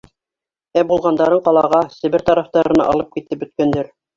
Ә булғандарын ҡалаға, Себер тарафтарына алып китеп бөткәндәр.